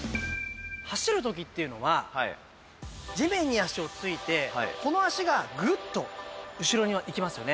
「走る時っていうのは地面に足を着いてこの足がグッと後ろにいきますよね」